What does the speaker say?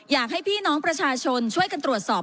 อยากให้พี่น้องประชาชนช่วยกันตรวจสอบ